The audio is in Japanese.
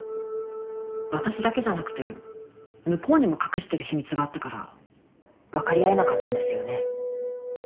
私だけじゃなくて向こうにも隠してる秘密があったから分かり合えなかったんですよね。